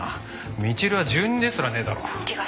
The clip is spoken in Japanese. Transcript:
みちるは住人ですらねえだろ。